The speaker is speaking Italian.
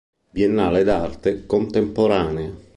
Biennale d'arte contemporanea".